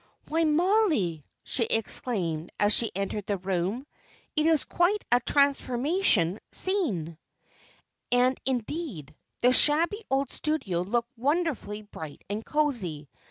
"Why, Mollie!" she exclaimed, as she entered the room, "it is quite a transformation scene!" And, indeed, the shabby old studio looked wonderfully bright and cosy.